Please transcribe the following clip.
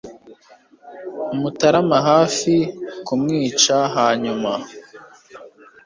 mutarama hafi kumwica; hanyuma